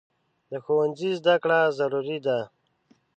د ښوونځي زده کړه ضروري ده.